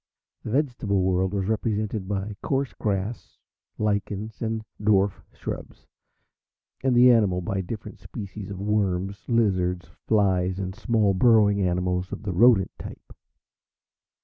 The vegetable world was represented by coarse grass, lichens, and dwarf shrubs, and the animal by different species of worms, lizards, flies, and small burrowing animals of the rodent type.